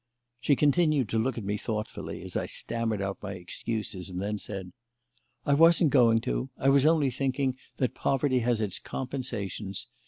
She continued to look at me thoughtfully as I stammered out my excuses, and then said: "I wasn't going to. I was only thinking that poverty has its compensations.